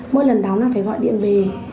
mỗi lần đóng là phải gọi điện về